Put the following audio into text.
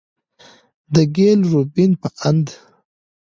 د ګيل روبين په اند،